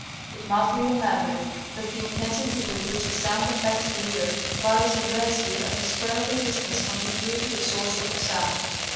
It must be remembered that the intensity with which a sound affects the ear varies inversely as the square of the distance from the ear to the source of the sound.